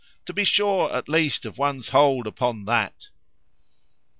To be sure, at least, of one's hold upon that!